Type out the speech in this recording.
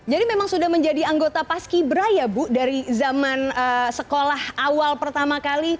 jadi memang sudah menjadi anggota paskibra ya ibu dari zaman sekolah awal pertama kali